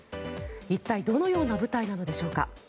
一体どのような部隊なのでしょうか。